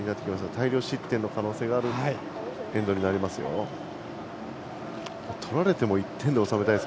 大量失点の可能性もあるエンドです。